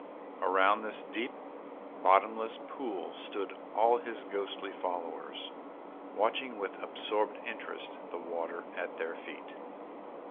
Around this deep bottomless pool stood all his ghostly followers, watching with absorbed interest the water at their feet.